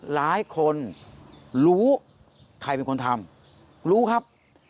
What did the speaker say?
หลายคนรู้ใครเป็นคนทำรู้ครับ